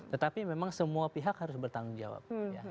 tetapi memang semua pihak harus bertanggung jawab